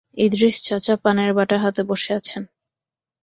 ইদরিস চাচা পানের বাটা হাতে বসে আছেন।